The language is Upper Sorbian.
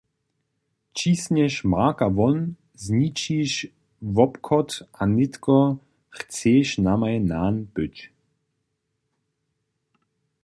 Ćisnješ Marka won, zničiš wobchod a nětko chceš namaj nan być.